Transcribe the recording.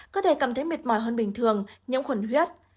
có thể cảm thấy mệt mỏi hơn bình thường nhiễm khuẩn huyết